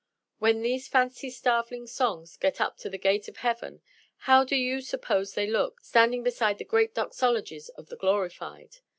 When these fancy starveling songs get up to the gate of heaven, how do you suppose they look, standing beside the great doxologies of the glorified?